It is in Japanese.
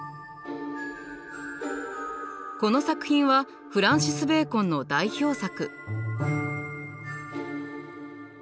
この作品はフランシス・ベーコンの代表作。